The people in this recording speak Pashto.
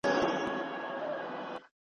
هغه يو داسي مورخ